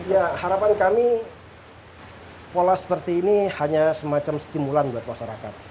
ya harapan kami pola seperti ini hanya semacam stimulan buat masyarakat